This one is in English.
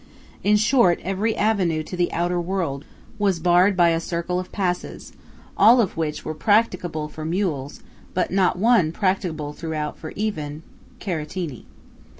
In short, every avenue to the outer world was barred by a circle of passes, all of which were practicable for mules, but not one practicable throughout for even carettini.